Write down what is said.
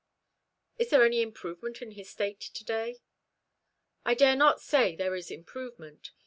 "Is there any improvement in his state today?" "I dare not say there is improvement.